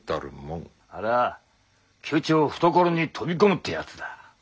あれは「窮鳥懐に飛び込む」ってやつだ。